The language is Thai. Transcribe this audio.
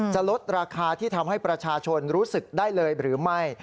จะลดราคาที่ทำให้ประชาชนรู้สึกได้เลยหรือไม่